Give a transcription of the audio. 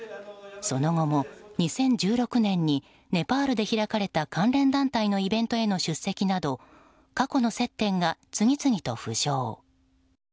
その後も２０１６年にネパールで開かれた関連団体のイベントへの出席など過去の接点が次々と浮上。